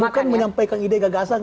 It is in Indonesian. bukan menyampaikan ide gagasan